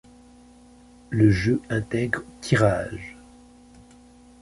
Le jeu intègre tirages.